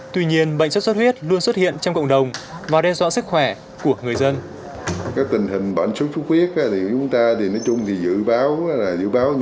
tuy nhiên bệnh xuất huyết luôn xuất hiện trong cộng đồng và đe dọa sức khỏe của người dân